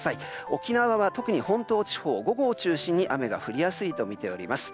沖縄は特に本島地方午後を中心に雨が降りやすいとみています。